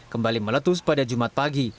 kembali meletus pada jumat pagi